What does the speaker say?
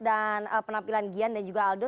dan penampilan gian dan juga aldo